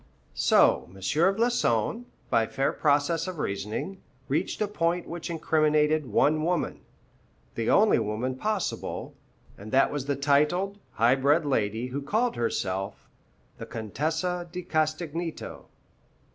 So M. Floçon, by fair process of reasoning, reached a point which incriminated one woman, the only woman possible, and that was the titled, high bred lady who called herself the Contessa di Castagneto.